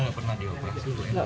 nggak pernah iya